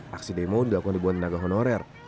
aksi demo dilakukan ribuan tenaga honorer